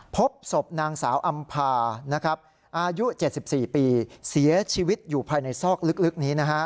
พบศพนางสาวอำภาอายุ๗๔ปีเสียชีวิตอยู่ภายในซอกลึกนี้นะฮะ